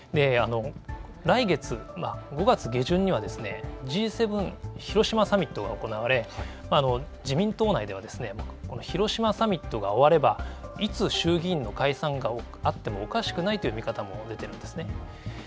来月、５月下旬にはＧ７広島サミットが行われ、自民党内では広島サミットが終われば、いつ衆議院の解散があってもおかしくないという見方も出ているんですね。